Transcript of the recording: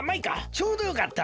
ちょうどよかった。